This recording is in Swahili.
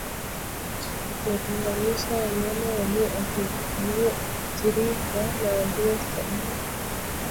Kuwatenganisha wanyama walioathirika na walio salama